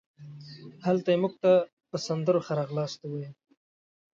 هلته یې مونږ ته په سندرو ښه راغلاست وویل.